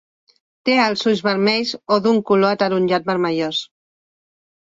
Té els ulls vermells o d'un color ataronjat vermellós.